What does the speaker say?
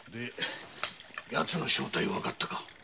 やつの正体わかったか？